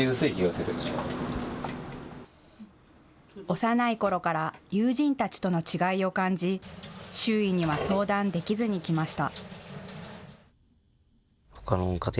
幼いころから友人たちとの違いを感じ、周囲には相談できずにきました。